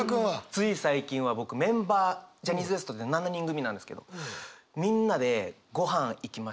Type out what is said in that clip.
つい最近は僕メンバージャニーズＷＥＳＴって７人組なんですけどみんなでごはん行きまして。